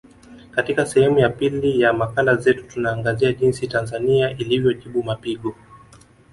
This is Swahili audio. Katika sehemu ya pili ya makala zetu tunaangazia jinsi Tanzania ilivyojibu mapigo